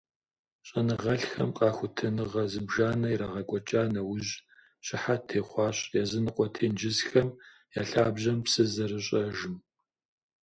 Щӏэныгъэлӏхэм къэхутэныгъэ зыбжанэ ирагъэкӏуэкӏа нэужь, щыхьэт техъуащ языныкъуэ тенджызхэм я лъабжьэм псы зэрыщӏэжым.